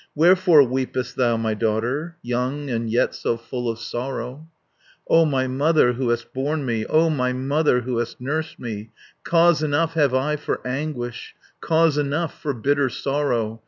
"Wherefore weepest thou, my daughter, Young, and yet so full of sorrow?" "O my mother, who hast borne me, O my mother, who hast nursed me, 80 Cause enough have I for anguish, Cause enough for bitter sorrow.